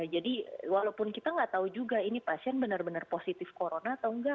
jadi walaupun kita nggak tahu juga ini pasien benar benar positif corona atau nggak